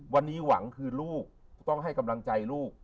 วันนี้หวังคือลูกต้องให้กำลังใจลูก